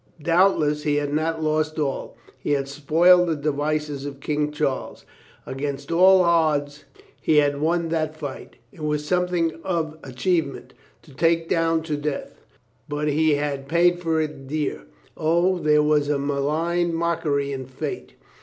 Doubtless he had not lost all. He had spoiled the devices of King Charles. Against all odds he had 388 FRIENDS 389 won that fight. It was something of achievement to take down to death. But he had paid for it dear. O, there was a malign mockery in fate.